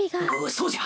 そうじゃ！